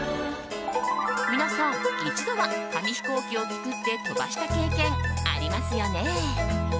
皆さん、一度は紙飛行機を作って飛ばした経験ありますよね？